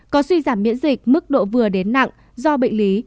có suy giảm miễn dịch mức độ vừa đến nặng do bệnh lý